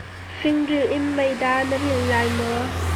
Fingrilh in meida na ril lai maw?